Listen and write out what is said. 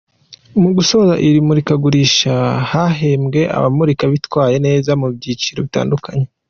Mu gusoza iri murikagurisha hahembwe abamurika bitwaye neza mu byiciro bitandukanye.